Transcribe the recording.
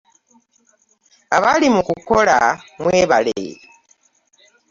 Abali mu kukola mwebale.